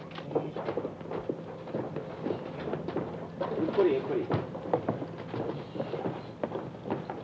ゆっくりゆっくり。